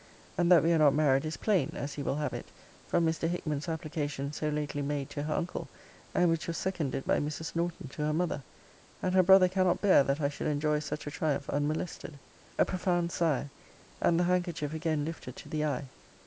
And that we are not married is plain, as he will have it, from Mr. Hickman's application so lately made to her uncle; and which was seconded by Mrs. Norton to her mother. And her brother cannot bear that I should enjoy such a triumph unmolested.' A profound sigh, and the handkerchief again lifted to the eye.